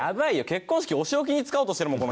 結婚式お仕置きに使おうとしてるもん